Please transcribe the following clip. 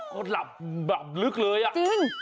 ก็หลับหลับลึกเลยจริง